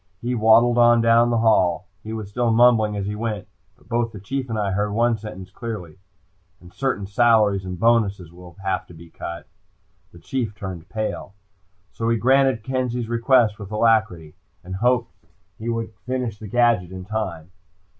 He waddled on down the hall. He was still mumbling as he went, but both the Chief and I heard one sentence clearly. "And certain salaries and bonuses will have to be cut." The Chief turned pale. So he granted Kenzie's request with alacrity and hoped he would finish the gadget in time.